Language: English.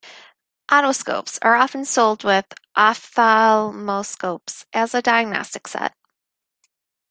Otoscopes are often sold with ophthalmoscopes as a diagnostic set.